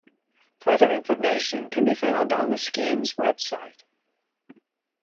Further information can be found on the scheme's website.